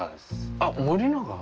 あっ森永？